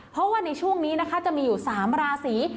เพราะว่าในช่วงนี้นะคะจะมีอยู่๓ราศี